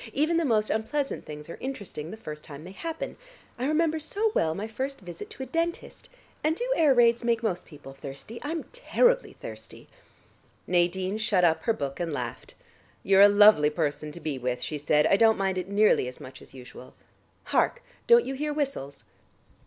Even the most unpleasant things are interesting the first time they happen. I remember so well my first visit to a dentist. And do air raids make most people thirsty, I'm terribly thirsty." Nadine shut up her book and laughed. "You're a lovely person to be with," she said. "I don't mind it nearly as much as usual. Hark, don't you hear whistles?"